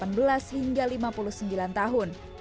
hanya mereka yang berumur delapan belas hingga lima puluh sembilan tahun